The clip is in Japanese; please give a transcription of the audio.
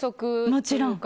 もちろん。